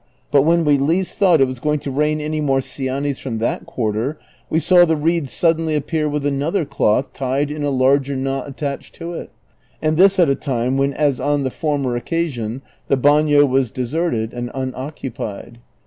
But when we least thought it was going to rain any more cianis from that quarter, we saw the reed suddenly appear with another cloth tied in a larger knot at tached to it, and this at a time Avhen, as on the former occasion, the bafio was deserted and unoccupied.